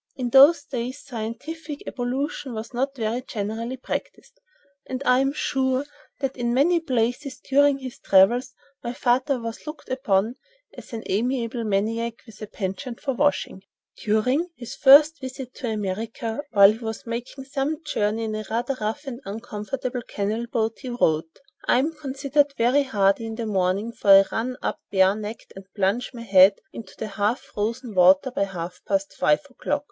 In those days scientific ablution was not very generally practised, and I am sure that in many places during his travels my father was looked upon as an amiable maniac with a penchant for washing. During his first visit to America, while he was making some journey in a rather rough and uncomfortable canal boat, he wrote: "I am considered very hardy in the morning, for I run up barenecked and plunge my head into the half frozen water by half past five o'clock.